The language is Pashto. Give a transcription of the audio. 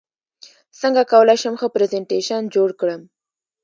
څنګه کولی شم ښه پرزنټیشن جوړ کړم